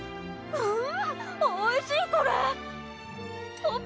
うん